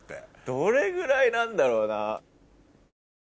どれぐらいなんだろうな？